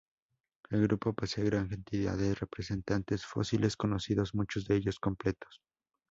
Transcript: El grupo posee gran cantidad de representantes fósiles conocidos, muchos de ellos completos.